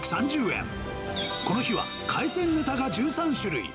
この日は海鮮ネタが１３種類。